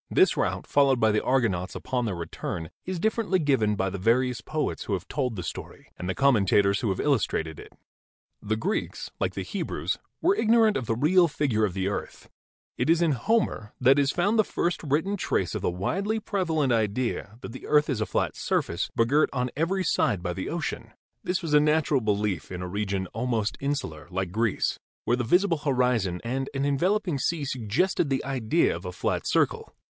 This route followed by the Argonauts upon their return is differently given by the various poets who have told the story and the commentators who have illustrated it. The Greeks, like the Hebrews, were ignorant of the real figure of the earth. It is in Homer that is found the first THE BEGINNINGS OF CARTOGRAPHY 19 written trace of the widely prevalent idea that the earth is a flat surface begirt on every side by the ocean. This was a natural belief in a region almost insular, like Greece, where the visible horizon and an enveloping sea suggested the idea of a flat circle.